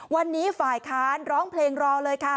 วันนี้ฝ่ายค้านร้องเพลงรอเลยค่ะ